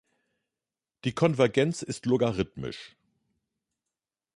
Die Konvergenz ist logarithmisch.